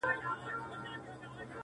که یاران وي که شراب بس چي زاړه وي-